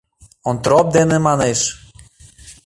Онтроп дене, манеш...